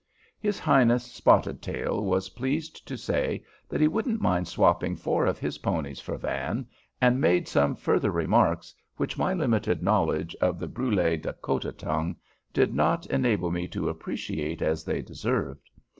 His highness Spotted Tail was pleased to say that he wouldn't mind swapping four of his ponies for Van, and made some further remarks which my limited knowledge of the Brulé Dakota tongue did not enable me to appreciate as they deserved.